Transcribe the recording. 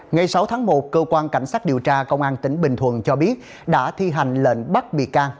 ngày sáu tháng một cơ quan cảnh sát điều tra công an tỉnh bình thuận cho biết đã thi hành lệnh bắt bị can